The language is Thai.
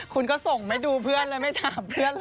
คุณก็ส่งไม่ดูเพื่อนเลยไม่ถามเพื่อนเลย